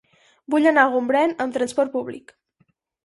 Vull anar a Gombrèn amb trasport públic.